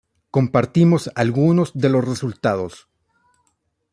compartimos algunos de los resultados